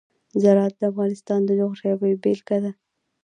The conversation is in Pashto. زراعت د افغانستان د جغرافیې بېلګه ده.